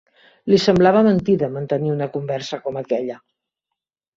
Li semblava mentida mantenir una conversa com aquella.